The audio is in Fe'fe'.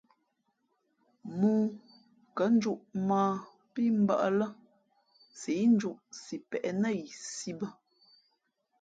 Mōō kα̌ njūʼ mᾱ ā pí mbᾱʼ ā lά sǐʼ njūʼ sipěʼ nά yi sī bᾱ.